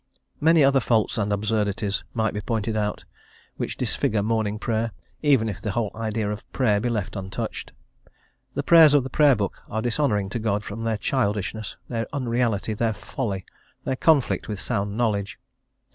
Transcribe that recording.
* Origen. Many other faults and absurdities might be pointed cut which disfigure Morning Prayer, even if the whole idea of prayer be left untouched. The prayers of the Prayer Book are dishonouring to God from their childishness, their unreality, their folly, their conflict with sound knowledge.